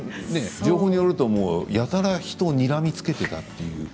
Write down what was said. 情報によるとやたらと人をにらみつけていたと。